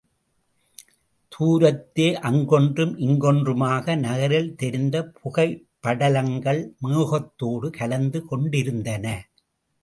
தூரத்தே அங்கொன்றும் இங்கொன்றுமாக நகரில் தெரிந்த புகைப் படலங்கள் மேகத்தோடு கலந்து கொண்டிருந்தன.